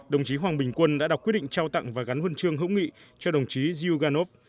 đồng chí hoàng bình quân đã đọc quyết định trao tặng và gắn huân chương hữu nghị cho đồng chí zhuganov